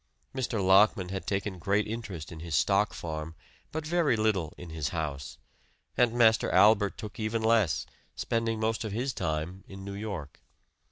Mr. Lockman had taken great interest in his stock farm, but very little in his house; and Master Albert took even less, spending most of his time in New York.